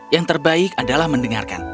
yang terbaik adalah mendengarkan